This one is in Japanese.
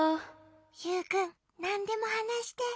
ユウくんなんでもはなして。